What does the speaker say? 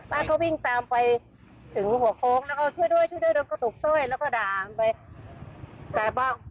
แล้วเขาวิ่งตามไปถึงหัวโค้ง